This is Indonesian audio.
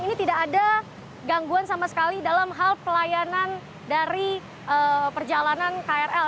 ini tidak ada gangguan sama sekali dalam hal pelayanan dari perjalanan krl